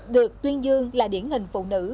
được tuyên dương là điển hình phụ nữ